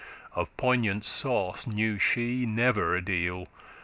Of poignant sauce knew she never a deal.